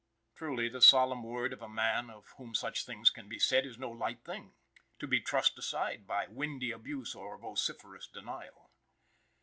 Truly, the solemn word of a man, of whom such things can be said, is no light thing, to be thrust aside by windy abuse or vociferous denial.